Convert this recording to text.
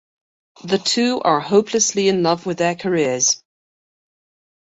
The two are hopelessly in love with their careers.